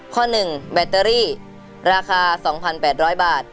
ข้อ๑แบตเตอรี่ราคา๒๘๐๐บาท